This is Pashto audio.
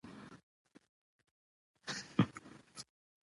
هلمند سیند د افغانستان د اقلیم ځانګړتیا ده.